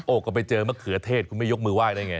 ก็ไปเจอมะเขือเทศคุณไม่ยกมือไห้ได้ไง